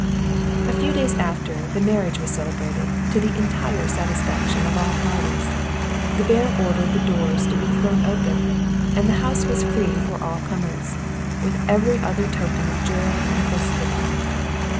A few days after, the marriage was celebrated, to the entire satisfaction of all parties. The Baron ordered the doors to be thrown open, and the house free for all comers; with every other token of joy and festivity.